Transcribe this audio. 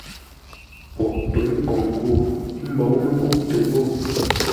Poghʼ pə̌ nkǒŋ ghô, ə́ mbǒu mə́ ngûʼtə ghô.